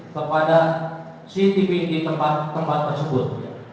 kepada cctv di tempat tempat tersebut